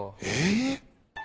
えっ？